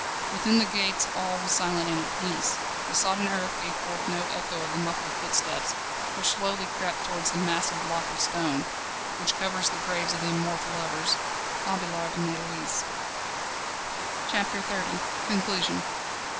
Within the gates all was silent and at peace. The sodden earth gave forth no echo of the muffled footsteps, which slowly crept towards the massive block of stone, which covers the graves of the immortal lovers Abélard and Heloïse. CHAPTER XXX Conclusion.